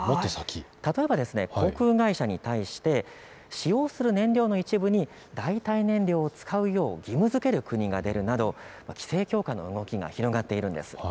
例えば航空会社に対して使用する燃料の一部に代替燃料を使うよう義務づける国が出るなど規制強化の動きが広がっています。